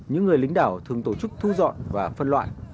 những người lính đảo thường tổ chức thu dọn và phân loại